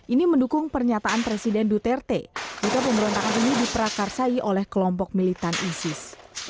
ini mendukung pernyataan presiden duterte jika pemberontakan ini diperakarsai oleh kelompok militan isis